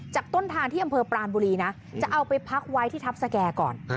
ต้นทางที่อำเภอปรานบุรีนะจะเอาไปพักไว้ที่ทัพสแก่ก่อน